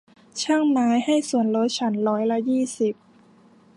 ช่างไม้ให้ส่วนลดฉันร้อยละยี่สิบ